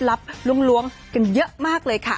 ล้วงกันเยอะมากเลยค่ะ